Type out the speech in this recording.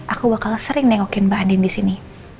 aku bakal sering nengokin mbak andien disini